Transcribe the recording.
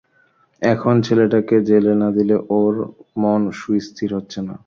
এখন ছেলেটাকে জেলে না দিলে ওঁর মন সুস্থির হচ্ছে না।